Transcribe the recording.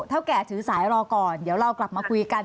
เท่าแก่ถือสายรอก่อนเดี๋ยวเรากลับมาคุยกัน